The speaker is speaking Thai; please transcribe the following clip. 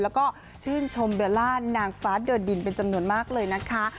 แล้วก็ชื่นชมเบลล่านางฟ้าเดินดินเป็นจำนวนมากเลยนะคะ